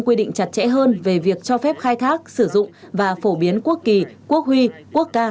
quy định chặt chẽ hơn về việc cho phép khai thác sử dụng và phổ biến quốc kỳ quốc huy quốc ca